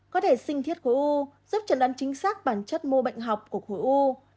có thể sinh thiết khối u giúp trần đoán chính xác bản chất mô bệnh học của khối u